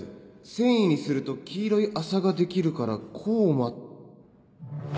繊維にすると黄色い麻ができるから黄麻